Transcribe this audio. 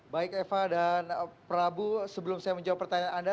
baik eva dan prabu sebelum saya menjawab pertanyaan anda